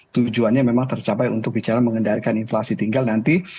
tujuannya memang tercapai untuk bicara mengendalikan inflasi tinggal nanti